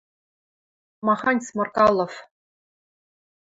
– Махань Сморкалов?